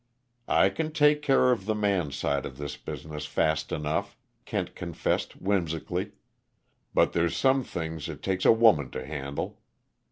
"I can take care of the man's side of this business, fast enough," Kent confessed whimsically, "but there's some things it takes a woman to handle."